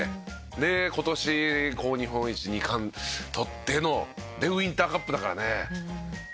で今年日本一２冠取ってのでウインターカップだからね。